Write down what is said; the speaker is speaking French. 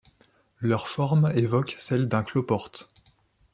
Leur forme évoque celle d'un cloporte.